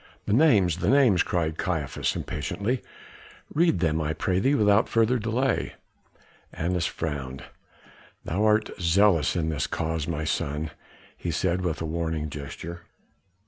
"The names! the names!" cried Caiaphas impatiently; "read them, I pray thee, without further delay." Annas frowned. "Thou art zealous in the cause, my son," he said with a warning gesture.